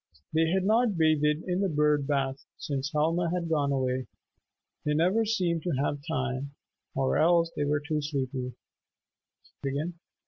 They had not bathed in the "bird bath" since Helma had gone away. They never seemed to have time, or else they were too sleepy.